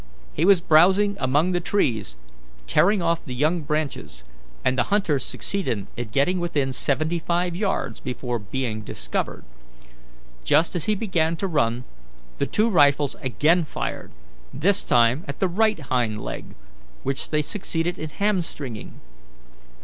He was browsing among the trees, tearing off the young branches, and the hunters succeeded in getting within seventy five yards before being discovered. Just as he began to run, the two rifles again fired, this time at the right hind leg, which they succeeded in hamstringing.